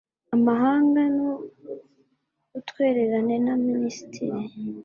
Amahanga n Ubutwererane na Ministiri